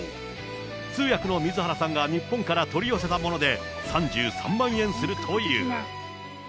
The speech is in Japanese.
通訳の水原さんが日本から取り寄せたもので、３３万円するという。